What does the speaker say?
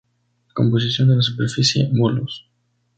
Composición de la superficie: Bolos.